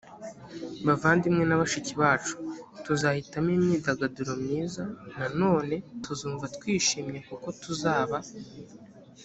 bavandimwe na bashiki bacu tuzahitamo imyidagaduro myiza nanone tuzumva twishimye kuko tuzaba